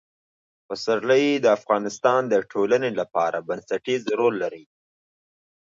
پسرلی د افغانستان د ټولنې لپاره بنسټيز رول لري.